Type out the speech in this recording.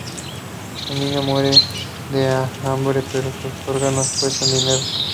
El niño muere de hambre pero sus órganos cuestan dinero.